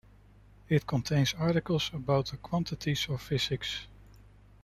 It contains articles about the quantities of physics.